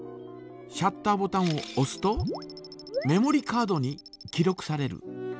シャッターボタンをおすとメモリカードに記録される。